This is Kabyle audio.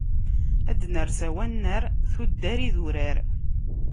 Ad d-ners ar wannar, tuddar idurar.